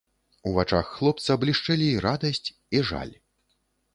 У вачах хлопца блішчэлі і радасць, і жаль.